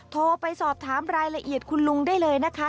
โทรไปสอบถามรายละเอียดคุณลุงได้เลยนะคะ